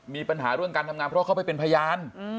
มีปัญหาเรื่องการทำงานเพราะเขาไปเป็นพยาน